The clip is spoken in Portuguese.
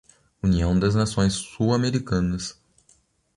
União das Nações Sul-Americanas